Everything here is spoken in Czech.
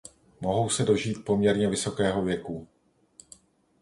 Mohou se dožít poměrně vysokého věku.